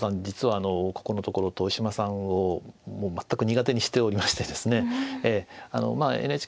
実はここのところ豊島さんを全く苦手にしておりましてですねええ。